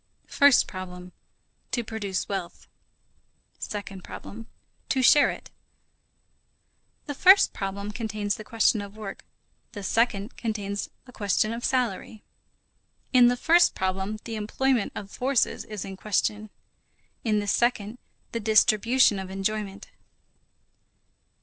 First problem: To produce wealth. Second problem: To share it. The first problem contains the question of work. The second contains the question of salary. In the first problem the employment of forces is in question. In the second, the distribution of enjoyment.